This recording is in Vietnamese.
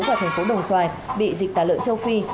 và tp đồng xoài bị dịch tả lợn châu phi